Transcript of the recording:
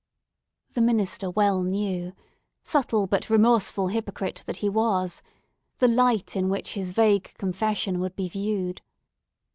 The minister well knew—subtle, but remorseful hypocrite that he was!—the light in which his vague confession would be viewed.